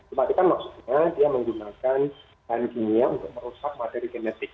tetapi kan maksudnya dia menggunakan bahan kimia untuk merusak materi genetik